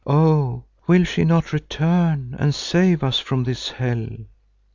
Oh, will she not return and save us from this hell?